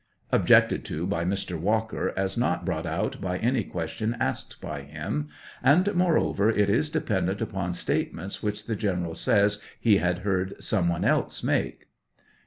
[Objected to by Mr. Walker as not brought out by any question asked by him; and moreover, it is de pendent upon statements whieli the General says he had heard some one else make.